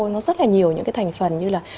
nó rất là nhiều những cái thành phần như là